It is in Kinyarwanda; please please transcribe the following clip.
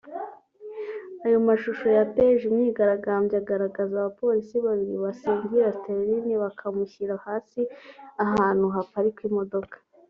Ayo mashusho yateje imyigaragambyo agaragaza abapolisi babiri basingira Sterling bakamushyira hasi ahantu haparikwa imodoka